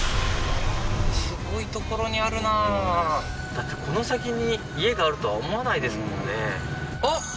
すごい所にあるなだってこの先に家があるとは思わないですもんねあっ！